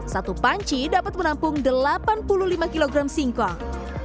satu panci dapat menampung delapan puluh lima kg singkong